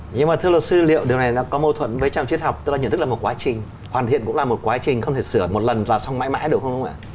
nhưng mà thưa luật sư liệu điều này nó có mâu thuẫn với trang triết học tức là nhận thức là một quá trình hoàn thiện cũng là một quá trình không thể sửa một lần và xong mãi mãi đúng không ạ